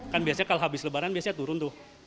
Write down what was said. kan biasanya kalau habis lebaran biasanya turun tuh